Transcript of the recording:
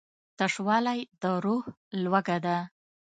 تشوالی د روح لوږه ده.